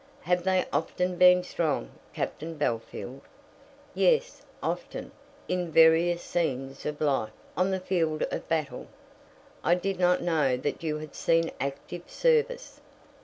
"Have they often been strong, Captain Bellfield?" "Yes; often; in various scenes of life; on the field of battle " "I did not know that you had seen active service."